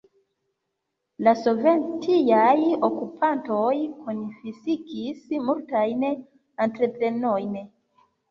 La sovetiaj okupantoj konfiskis multajn entreprenojn.